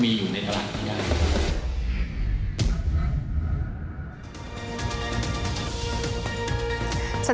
มีความรู้สึกว่ามีความรู้สึกว่า